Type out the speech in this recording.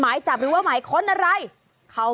บ้าจริงเดี๋ยวเดี๋ยวเดี๋ยว